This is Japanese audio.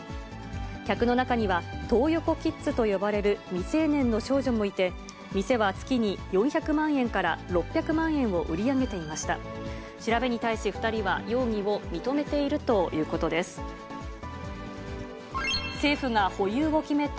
客の中には、トー横キッズと呼ばれる未成年の少女もいて、店は月に４００万円から６００万円を売り上げていました。